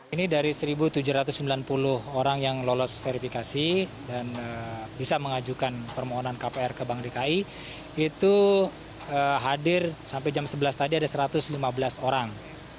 ini dari satu tujuh ratus sembilan puluh orang yang lolos verifikasi dan bisa mengajukan permohonan kpr ke bank dki itu hadir sampai jam sebelas tadi ada satu ratus lima belas orang